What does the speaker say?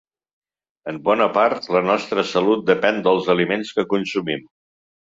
En bona part, la nostra salut depèn dels aliments que consumim.